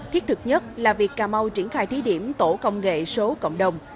thiết thực nhất là việc cà mau triển khai thí điểm tổ công nghệ số cộng đồng